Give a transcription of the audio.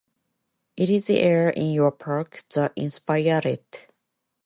It is the air in your park that inspired it.